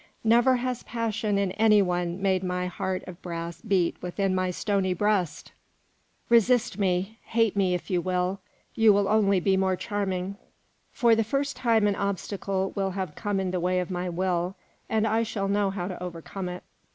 Never has passion in any one made my heart of brass beat within my stony breast. Resist me, hate if you will, you will only be more charming; for the first time an obstacle will have come in the way of my will, and I shall know how to overcome it."